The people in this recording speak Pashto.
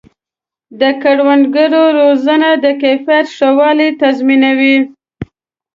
د کروندګرو روزنه د کیفیت ښه والی تضمینوي.